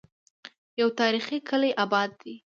يو تاريخي کلے اباد دی